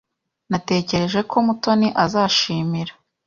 Natekereje ko Mutoni azashimira.